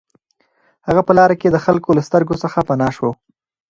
هغه په لاره کې د خلکو له سترګو څخه پناه شو